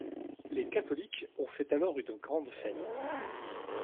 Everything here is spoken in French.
Les catholiques ont fait alors une grande fête.